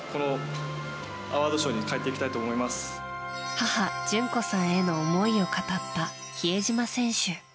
母・淳子さんへの思いを語った比江島選手。